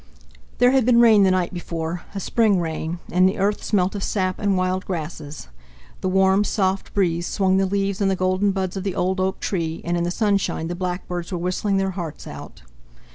There had been rain the night before—a spring rain, and the earth smelt of sap and wild grasses. The warm, soft breeze swung the leaves and the golden buds of the old oak tree, and in the sunshine the blackbirds were whistling their hearts out.